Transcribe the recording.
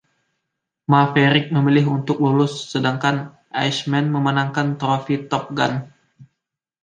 Maverick memilih untuk lulus, sedangkan Iceman memenangkan Trofi Top Gun.